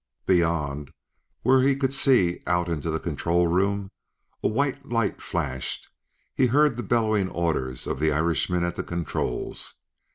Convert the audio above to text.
Beyond, where he could see out into the control room, a white light flashed. He heard the bellowing orders of the Irishman at the controls.